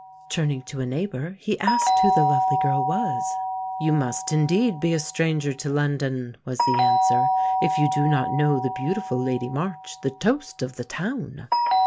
Turning to a neighbour he asked who the lovely girl was. "You must indeed be a stranger to London," was the answer, "if you do not know the beautiful Lady March, the toast of the town!"